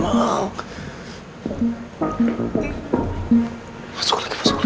masuk lagi masuk lagi masuk lagi